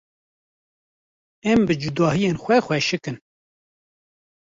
Em bi cudahiyên xwe xweşik in.